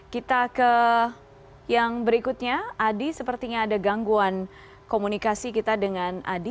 kita ke yang berikutnya adi sepertinya ada gangguan komunikasi kita dengan adi